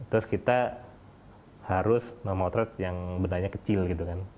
terus kita harus memotret yang betahnya kecil gitu kan